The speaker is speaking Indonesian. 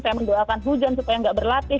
saya mendoakan hujan supaya nggak berlatih